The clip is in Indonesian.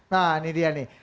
nah ini dia nih